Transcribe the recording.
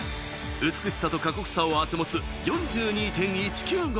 美しさと過酷さを併せ持つ４２．１９５